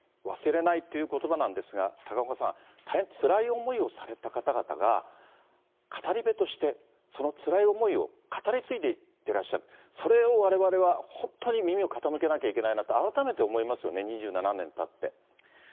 忘れないっていうことばなんですが、高岡さん、大変つらい思いをされた方々が、語り部として、そのつらい思いを語り継いでいってらっしゃる、それをわれわれは、本当に耳を傾けなきゃいけないなって、改めて思いますよね、２７年たって。